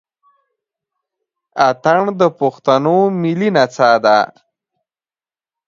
اتڼ د پښتنو ملي نڅا ده.